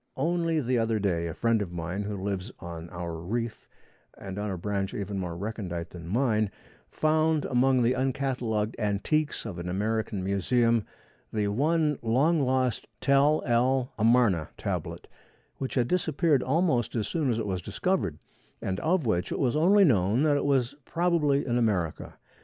Only the other day, a friend of mine who lives on our reef, and on a branch even more recondite than mine, found among the uncatalogued antiques of an American museum the one long lost Tel el Amarna tablet, which had disappeared almost as soon as it was discovered, and of which it was only known that it was probably in America.